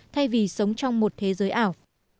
thay vì sống trong một thế giới ảo